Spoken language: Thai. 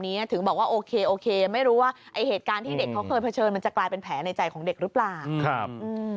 มีกำลังใจครับ